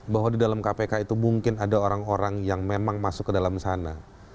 bahwa di dalam kpk itu mungkin ada orang orang yang memang masuk ke dalam sana